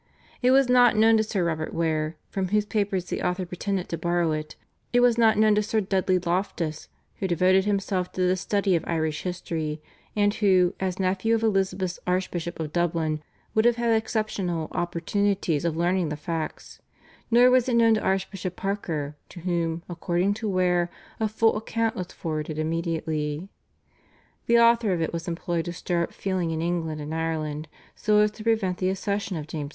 It was not known to Sir Robert Ware, from whose papers the author pretended to borrow it; it was not known to Sir Dudley Loftus who devoted himself to the study of Irish history, and who, as nephew of Elizabeth's Archbishop of Dublin, would have had exceptional opportunities of learning the facts, nor was it known to Archbishop Parker, to whom, according to Ware, a full account was forwarded immediately. The author of it was employed to stir up feeling in England and Ireland so as to prevent the accession of James II.